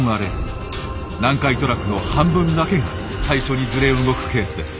南海トラフの半分だけが最初にずれ動くケースです。